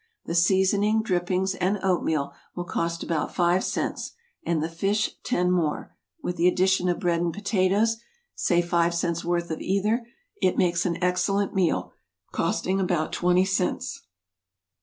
The seasoning, drippings, and oatmeal, will cost about five cents, and the fish ten more; with the addition of bread and potatoes, say five cents' worth of either, it makes an excellent meal, costing about twenty cents.